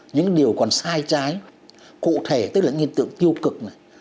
những điều còn sai trái cụ thể tức là nghiên tượng tiêu cực này